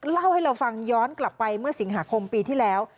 เล่าให้เราฟังย้อนกลับไปเมื่อสิงหาคมปีที่แล้ว